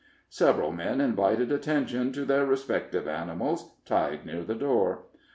Several men invited attention to their respective animals, tied near the door.